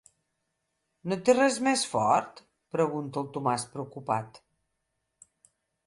No té res més fort? –pregunta el Tomàs preocupat–.